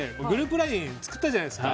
ＬＩＮＥ作ったじゃないですか。